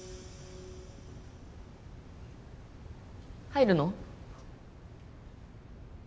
入るの？